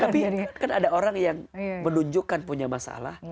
tapi kan ada orang yang menunjukkan punya masalah